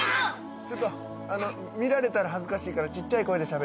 ちょっとあの見られたら恥ずかしいからちっちゃい声でしゃべって。